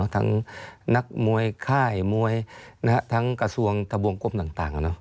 ทั้งนักมวยค่ายมวยทั้งกระทรวงทะบวงกลมต่าง